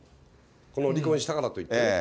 離婚したからといって。